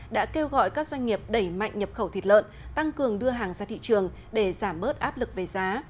đã kêu gọi các doanh nghiệp đẩy mạnh nhập khẩu thịt lợn tăng cường đưa hàng ra thị trường để giảm bớt áp lực về giá